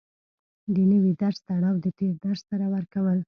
د نوي درس تړاو د تېر درس سره ورکول